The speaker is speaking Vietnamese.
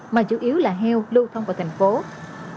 mà chủ yếu là heo lưu thông vào tp hcm